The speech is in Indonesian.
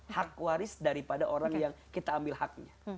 hak waris daripada orang yang kita ambil haknya